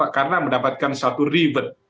karena mendapatkan satu ribet